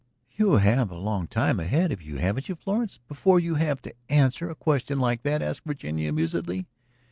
"You have a long time ahead of you yet, haven't you, Florence, before you have to answer a question like that?" asked Virginia amusedly.